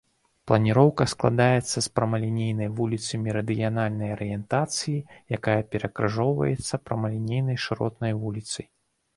Планіроўка складаецца з прамалінейнай вуліцы мерыдыянальнай арыентацыі, якая перакрыжоўваецца прамалінейнай шыротнай вуліцай.